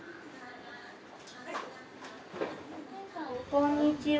こんにちは。